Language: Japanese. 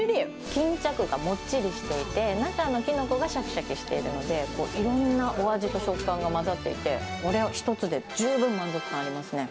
巾着がもっちりしていて、中のきのこがしゃきしゃきしているので、いろんなお味と食感が混ざっていて、これは一つで十分満足感ありますね。